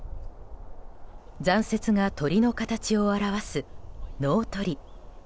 残雪が鳥の形を表す、農鳥。